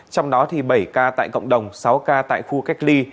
trong đó bảy ca tại cộng đồng sáu ca tại khu cách ly